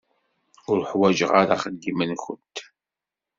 Ur ḥwaǧeɣ ara axeddim-nkent.